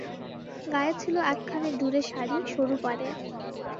গায়ে ছিল একখানি ডুরে শাড়ি, সরু পাড়ের।